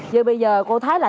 vậy bây giờ cô thấy là